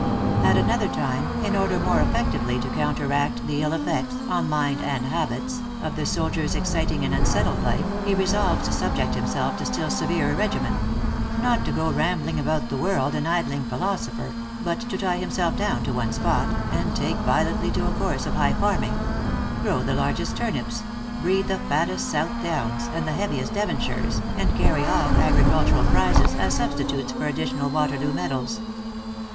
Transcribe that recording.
At an other time, in order more effectively to counteract the ill effects, on mind and habits, of the soldier s excit ing and unsettled life, he resolves to subject himself to still severer regimen: not to go rambling about the world, an idling philosopher, but to tie himself down to one spot, and take violently to a course of high farming ; grow the largest turnips, breed the fattest South downs, and the heaviest Devonshires, and carry off agricultural prizes as substitutes for additional Waterloo medals.